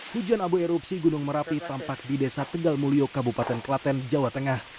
hujan abu erupsi gunung merapi tampak di desa tegal mulyo kabupaten klaten jawa tengah